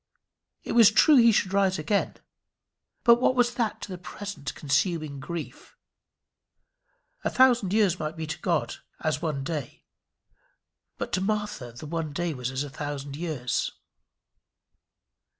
It was true he should rise again; but what was that to the present consuming grief? A thousand years might be to God as one day, but to Martha the one day was a thousand years.